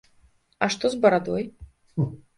А што з барадой?